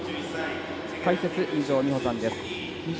解説、二條実穂さんです。